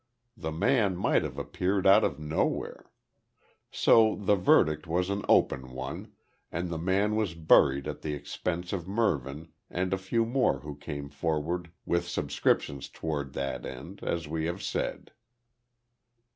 The man might have appeared out of nowhere. So the verdict was an open one, and the man was buried at the expense of Mervyn and a few more who came forward with subscriptions toward that end as we have said.